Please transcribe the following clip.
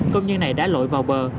công nhân này đã lội vào bờ